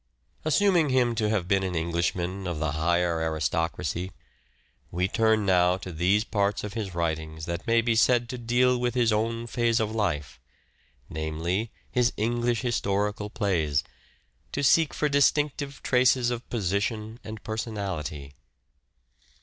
Assuming him to have been an Englishman of the Lancastrian higher aristocracy, we turn now to these parts of his symPathies writings that may be said to deal with his own phase of life, namely, his English historical plays, to seek for distinctive traces of position and personality.